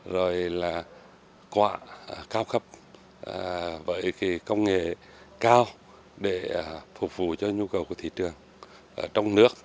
rồi là quạ cao cấp với công nghệ cao để phục vụ cho nhu cầu của thị trường